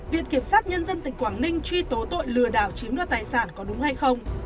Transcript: viện kiểm sát nhân dân tỉnh quảng ninh truy tố tội lừa đảo chiếm đoạt tài sản có đúng hay không